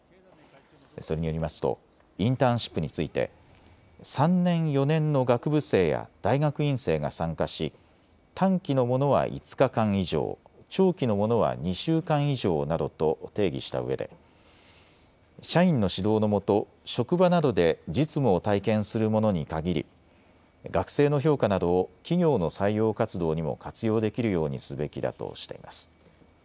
それによりますとインターンシップについて３年、４年の学部生や大学院生が参加し短期のものは５日間以上、長期のものは２週間以上などと定義したうえで社員の指導のもと、職場などで実務を体験するものに限り学生の評価などを企業の採用活動にも活用できるようにすべきだとしています。